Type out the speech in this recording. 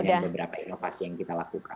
ini makanya beberapa inovasi yang kita lakukan